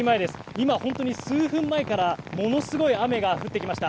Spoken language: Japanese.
今、本当に数分前からものすごい雨が降ってきました。